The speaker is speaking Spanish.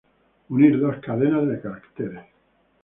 Unir dos cadenas de caracteres.